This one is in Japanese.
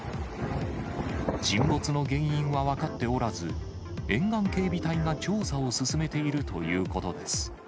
沈没の原因は分かっておらず、沿岸警備隊が調査を進めているということです。